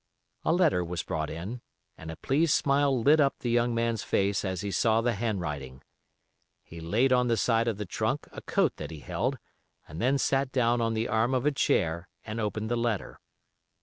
A letter was brought in, and a pleased smile lit up the young man's face as he saw the handwriting. He laid on the side of the trunk a coat that he held, and then sat down on the arm of a chair and opened the letter.